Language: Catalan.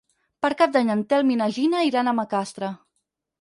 Per Cap d'Any en Telm i na Gina iran a Macastre.